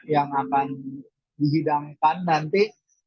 yang akan dihidangkan nanti